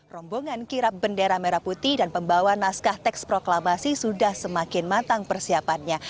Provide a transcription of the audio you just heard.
rombongan kirap bendera merah putih dan pembawa naskah teks proklamasi sudah semakin matang persiapannya